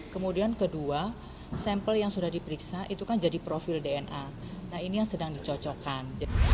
kemudian kedua sampel yang sudah diperiksa itu kan jadi profil dna nah ini yang sedang dicocokkan